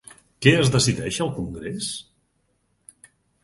Què es decideix al congrés?